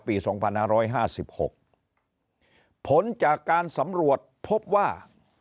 ปี๒๕๕๖ผลจากการสำรวจพบว่า